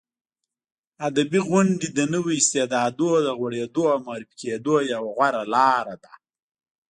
ادبي غونډې د نویو استعدادونو د غوړېدو او معرفي کېدو یوه غوره لاره ده.